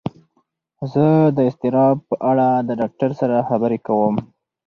زه د اضطراب په اړه د ډاکتر سره خبرې کوم.